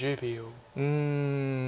うん。